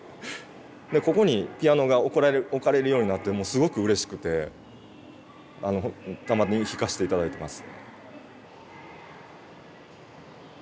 ここにピアノが置かれるようになってすごくうれしくてたまに弾かして頂いてます。